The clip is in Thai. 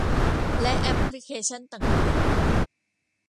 และแอปพลิเคชันต่างต่าง